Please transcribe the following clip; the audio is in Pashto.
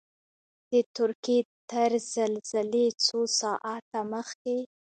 د ترکیې تر زلزلې څو ساعته مخکې.